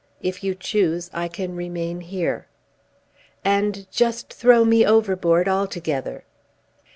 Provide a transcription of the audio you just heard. If you choose, I can remain here." "And just throw me overboard altogether."